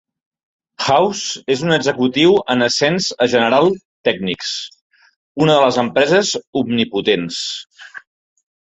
House és un executiu en ascens a General Technics, una de les empreses omnipotents.